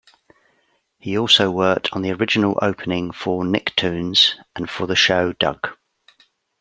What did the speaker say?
He also worked on the original opening for Nicktoons and for the show "Doug".